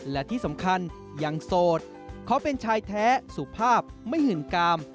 และที่สำคัญยังโสดขอเป็นชายแท้สุภาพไม่หื่นกาม